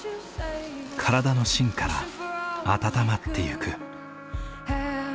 体の芯から温まっていく。